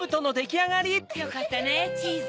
よかったねチーズ。